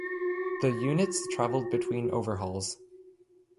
The units travelled between overhauls.